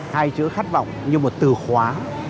hai chữ khát vọng như một từ khóa